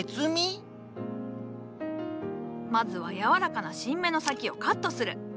まずは柔らかな新芽の先をカットする。